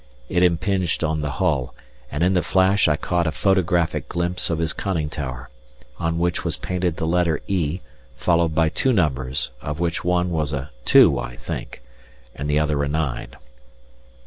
It impinged on the hull, and in the flash I caught a photographic glimpse of his conning tower, on which was painted the letter E, followed by two numbers, of which one was a two I think, and the other a nine.